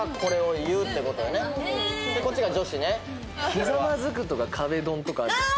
「ひざまずく」とか「壁ドン」とかあるんじゃない？